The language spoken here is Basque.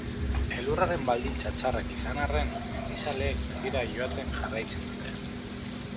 Elurraren baldintza txarrak izan arren, mendizaleek mendira joaten jarraitzen dute.